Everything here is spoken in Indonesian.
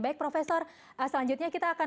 baik profesor selanjutnya kita akan